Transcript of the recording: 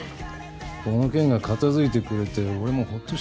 この件が片付いてくれて俺もホッとしてるよ。